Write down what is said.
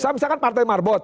misalkan partai marbot